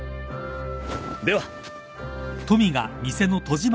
では。